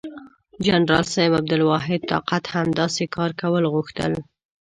جنرال صاحب عبدالواحد طاقت هم داسې کار کول غوښتل.